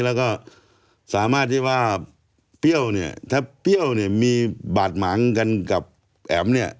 แล้วก็สามารถที่ว่าเปรี้ยวเนี่ยถ้าเปรี้ยวเนี่ยมีบาดหมางกันกับแอ๋มเนี่ย